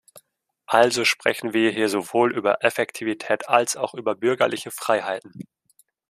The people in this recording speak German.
Also sprechen wir hier sowohl über Effektivität als auch über bürgerliche Freiheiten.-